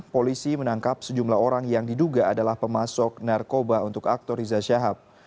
polisi menangkap sejumlah orang yang diduga adalah pemasok narkoba untuk aktor riza syahab